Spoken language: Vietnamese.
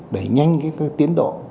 đẩy nhanh tiến độ